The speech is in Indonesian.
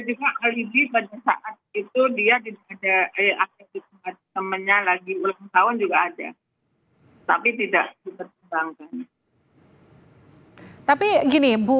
juga alibi pada saat itu dia di temennya lagi ulang tahun juga ada tapi tidak tapi gini bu